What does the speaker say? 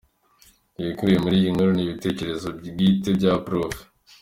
Ibikubiye muri iyi nkuru ni ibitekerezo bwite bya Prof.